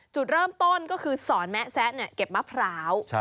จุดเริ่มต้นก็คือสอนแมะแซะเก็บมะพร้าว